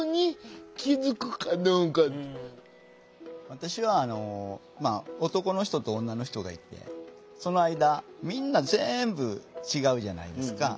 私はまあ男の人と女の人がいてその間みんなぜんぶ違うじゃないですか。